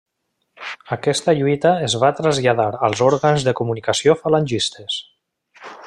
Aquesta lluita es va traslladar als òrgans de comunicació falangistes.